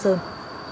huyện vân hồ